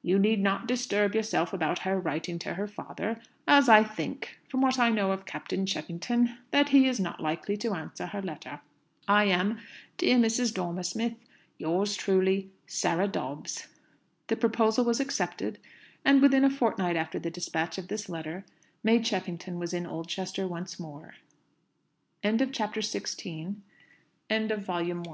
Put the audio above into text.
You need not disturb yourself about her writing to her father, as I think, from what I know of Captain Cheffington, that he is not likely to answer her letter. "I am, dear Mrs. Dormer Smith, "Yours truly, "SARAH DOBBS." The proposal was accepted, and within a fortnight after the despatch of this letter, May Cheffington was in Oldchester once more. END OF VOL. I. End of the Project Gutenberg EBook of That Unfortunate Marriage, Vol.